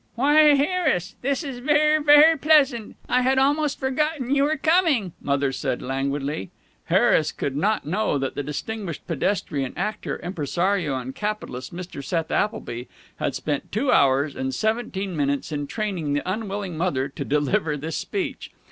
"Why, Harris, this is ver', ver' pleasant. I had almost forgotten you were coming," Mother said, languidly.... Harris could not know that the distinguished pedestrian, actor, impresario, and capitalist, Mr. Seth Appleby, had spent two hours and seventeen minutes in training the unwilling Mother to deliver this speech.